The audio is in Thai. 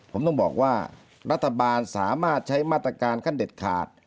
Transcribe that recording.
ผมต้องบอกว่ารัฐบาลสามารถใช้มาตรการขั้นเด็ดขาด